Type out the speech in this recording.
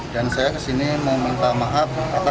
dan saya kesini mau minta maaf